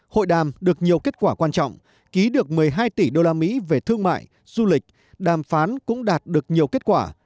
hội đàm được nhiều kết quả quan trọng ký được một mươi hai tỷ usd về thương mại du lịch đàm phán cũng đạt được nhiều kết quả